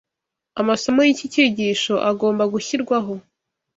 Amasomo y’iki cyigisho agomba gushyirwaho.